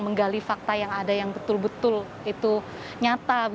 menggali fakta yang ada yang betul betul itu nyata